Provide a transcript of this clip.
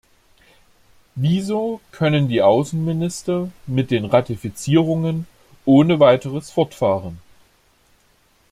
Wieso können die Außenminister mit den Ratifizierungen ohne weiteres fortfahren?